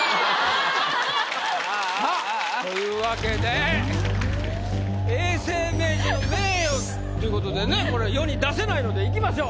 さあというわけで永世名人の名誉という事でねこれ世に出せないのでいきましょう。